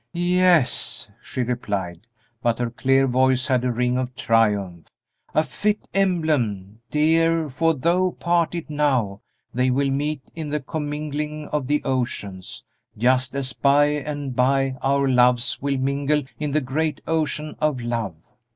"Yes," she replied, but her clear voice had a ring of triumph; "a fit emblem, dear, for though parted now, they will meet in the commingling of the oceans, just as by and by our loves will mingle in the great ocean of love.